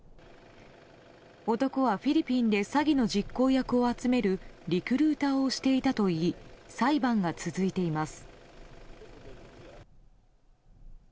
男はフィリピンで詐欺の実行役を集めるリクルーターをしていたといい裁判が続いています。